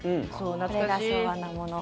これが昭和のもの。